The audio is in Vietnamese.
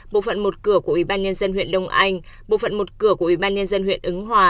bộ phận một cửa của ủy ban nhân dân huyện đông anh bộ phận một cửa của ủy ban nhân dân huyện ứng hòa